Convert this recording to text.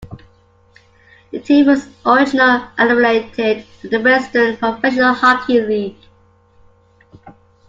The team was original affiliated with the Western Professional Hockey League.